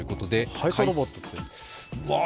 配送ロボットって？